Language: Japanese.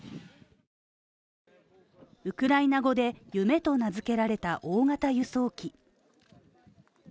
ウクライナ語で夢と名づけられた大型輸送機。